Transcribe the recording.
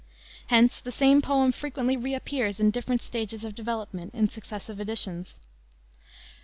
Hence the same poem frequently reappears in different stages of development in successive editions.